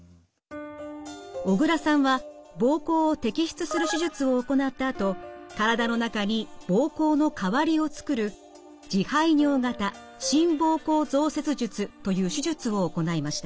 小倉さんは膀胱を摘出する手術を行ったあと体の中に膀胱の代わりをつくる自排尿型新膀胱造設術という手術を行いました。